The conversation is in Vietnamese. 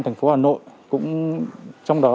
thành phố hà nội cũng trong đó